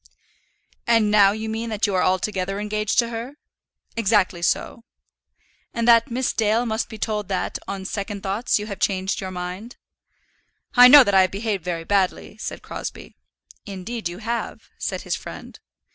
"And now you mean that you are altogether engaged to her?" "Exactly so." "And that Miss Dale must be told that, on second thoughts, you have changed your mind?" "I know that I have behaved very badly," said Crosbie. "Indeed you have," said his friend.